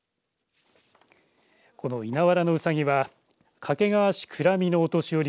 この稲わらのうさぎは掛川市倉真のお年寄り